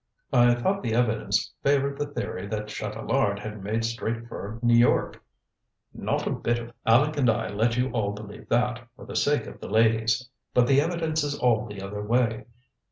"I thought the evidence favored the theory that Chatelard had made straight for New York." "Not a bit of it. Aleck and I let you all believe that, for the sake of the ladies. But the evidence is all the other way.